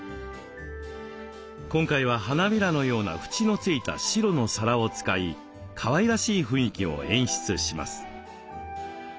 今回は花びらのような縁のついた白の皿を使いかわいらしい雰囲気を演出します。